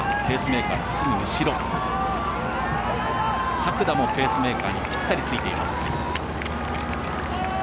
作田もペースメーカーにぴったりついています。